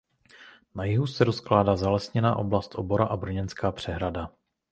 Na jihu se rozkládá zalesněná oblast Obora a Brněnská přehrada.